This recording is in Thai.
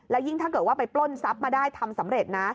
ยิ่งถ้าเกิดว่าไปปล้นทรัพย์มาได้ทำสำเร็จนะ